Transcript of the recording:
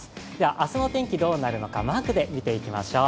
明日の天気、どうなるのかマークで見ていきましょう。